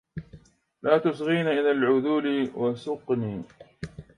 لا تصغين إلى العذول وسقني